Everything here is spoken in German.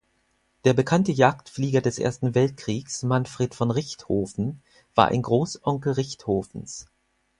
Der bekannte Jagdflieger des Ersten Weltkriegs, Manfred von Richthofen, war ein Großonkel Richthofens.